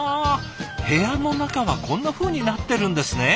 部屋の中はこんなふうになってるんですね。